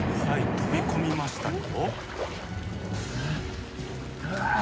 飛び込みましたよ。